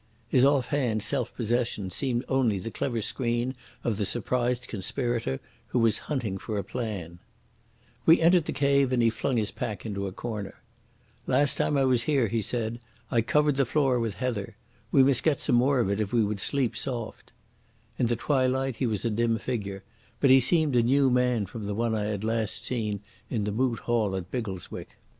His off hand self possession seemed only the clever screen of the surprised conspirator who was hunting for a plan. We entered the cave, and he flung his pack into a corner. "Last time I was here," he said, "I covered the floor with heather. We must get some more if we would sleep soft." In the twilight he was a dim figure, but he seemed a new man from the one I had last seen in the Moot Hall at Biggleswick. There was a wiry vigour in his body and a purpose in his face.